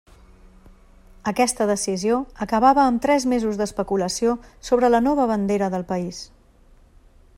Aquesta decisió acabava amb tres mesos d'especulació sobre la nova bandera del país.